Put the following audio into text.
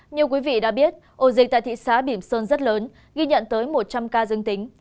như quý vị đã biết ổ dịch tại thị xã bỉm sơn rất lớn ghi nhận tới một trăm linh ca dương tính